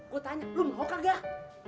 gua tanya lu mau kagak